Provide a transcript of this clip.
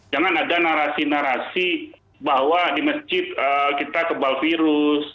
jangan ada narasi narasi bahwa di masjid kita kebal virus